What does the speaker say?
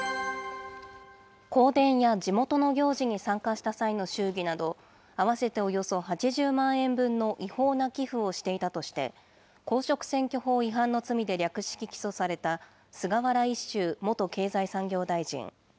香典や地元の行事に参加した際の祝儀など、合わせておよそ８０万円分の違法な寄付をしていたとして、公職選挙法違反の罪で略式起訴された、菅原一秀元経済産業大臣。